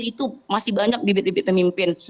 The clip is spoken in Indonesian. itu masih banyak bibit bibit pemimpin